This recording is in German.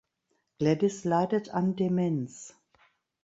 Gladys leidet an Demenz.